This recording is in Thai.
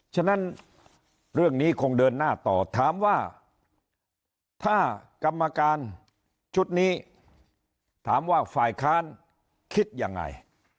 ฉะนั้นเรื่องนี้คงเดินหน้าต่อถามว่าถ้ากรรมการชุดนี้ถามว่าฝ่ายค้านคิดยังไง